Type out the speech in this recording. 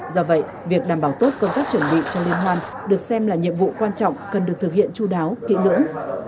do vậy việc đảm bảo tốt công tác chuẩn bị cho liên hoan được xem là nhiệm vụ quan trọng cần được thực hiện chú đáo kỹ lưỡng